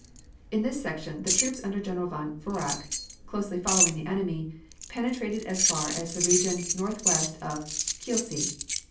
In this section the troops under General von Woyrach, closely following the enemy, penetrated as far as the region northwest of Kielce.